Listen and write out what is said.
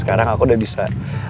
sekarang aku udah bisa